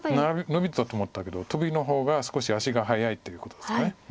ノビだと思ったけどトビの方が少し足が早いっていうことですか。